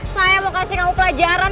saya mau kasih kamu pelajaran